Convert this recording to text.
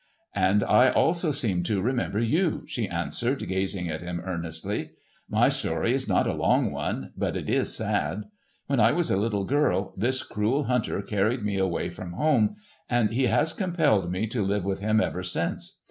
"And I also seem to remember you," she answered, gazing at him earnestly. "My story is not a long one, but it is sad. When I was a little girl, this cruel hunter carried me away from home, and he has compelled me to live with him ever since.